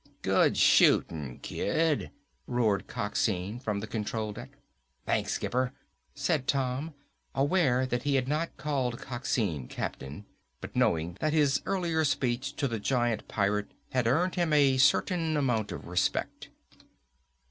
"Good shooting, Kid," roared Coxine from the control deck. "Thanks, skipper," said Tom, aware that he had not called Coxine captain, but knowing that his earlier speech to the giant pirate had earned him a certain amount of respect.